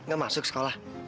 gak masuk sekolah